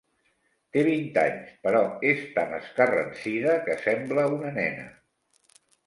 Té vint anys, però és tan escarransida que sembla una nena.